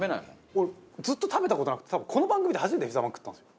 俺ずっと食べた事なくて多分この番組で初めてピザまん食ったんですよ。